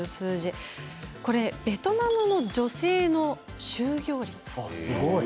これはベトナムの女性の就業率。